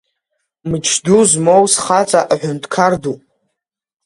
Мыч ду змоу схаҵа аҳәынҭқар ду!